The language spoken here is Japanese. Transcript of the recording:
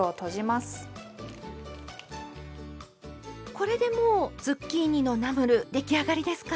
これでもうズッキーニのナムル出来上がりですか？